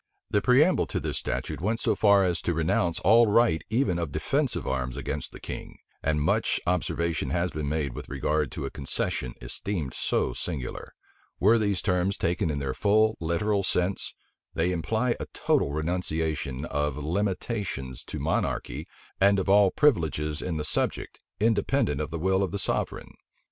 The preamble to this statute went so far as to renounce all right even of defensive arms against the king; and much observation has been made with regard to a concession esteemed so singular. Were these terms taken in their full literal sense, they imply a total renunciation of limitations to monarchy, and of all privileges in the subject, independent of the will of the sovereign.